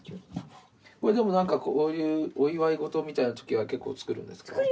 これでもなんかこういうお祝いごとみたいなときは結構作るんですか？